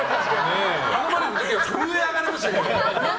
頼まれた時は震え上がりましたけど。